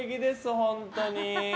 本当に！